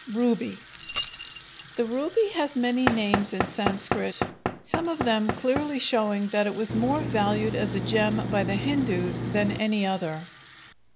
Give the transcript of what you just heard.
Ruby The ruby has many names in Sanskrit, some of them clearly showing that it was more valued as a gem by the Hindus than any other.